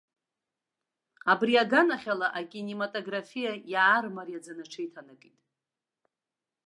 Абри аганахьала, акинематографиа иаармариаӡаны аҽеиҭанакит.